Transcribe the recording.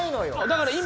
だから今。